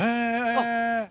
あっ。